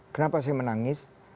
kenapa saya menangis